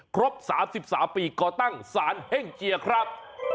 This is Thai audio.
ครบ๓๓ปีก่อตั้งสารเฮ่งเจียครับ